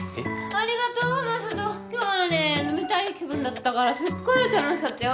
ありがとうＭａｓａｔｏ今日はね飲みたい気分だったからすっごい楽しかったよ